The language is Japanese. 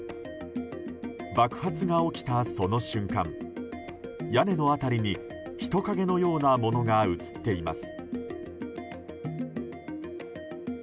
爆発が起きた、その瞬間屋根の辺りに人影のようなものが映っています。